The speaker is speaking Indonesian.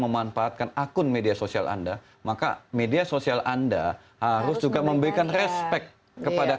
memanfaatkan akun media sosial anda maka media sosial anda harus juga memberikan respect kepada